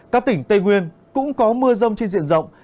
các tỉnh tây nguyên cũng có mưa rông trên diện rộng